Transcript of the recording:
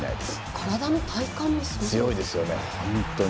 体の体幹もすごいですよね。